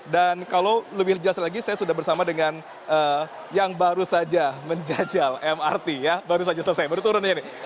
dan kalau lebih jelas lagi saya sudah bersama dengan yang baru saja menjajal mrt ya baru saja selesai baru turun ya ini